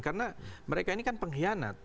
karena mereka ini kan pengkhianat